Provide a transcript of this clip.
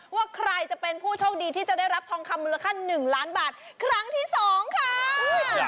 ว่าใครจะเป็นผู้โชคดีที่จะได้รับทองคำมูลค่า๑ล้านบาทครั้งที่๒ค่ะ